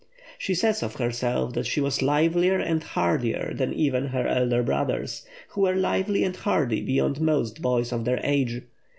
She says of herself that she was livelier and hardier than even her elder brothers, who were lively and hardy beyond most boys of their age.